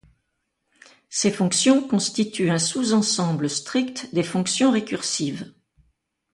Ces fonctions constituent un sous-ensemble strict des fonctions récursives.